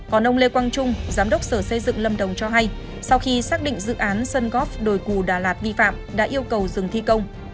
còn ông lê quang trung giám đốc sở xây dựng lâm đồng cho hay sau khi xác định dự án sân góp đồi cù đà lạt vi phạm đã yêu cầu dừng thi công